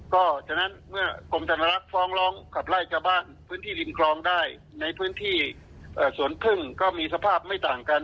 ก็ฉะนั้นเมื่อกรมธนลักษณ์ฟ้องร้องขับไล่ชาวบ้านพื้นที่ริมคลองได้ในพื้นที่สวนพึ่งก็มีสภาพไม่ต่างกัน